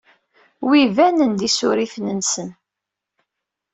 Wi banen d isurifen-nnes.